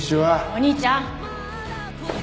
お兄ちゃん！